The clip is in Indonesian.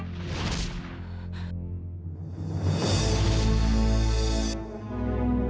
jadinya di muka ibu tumbuh kumis deh